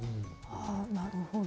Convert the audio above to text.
なるほど。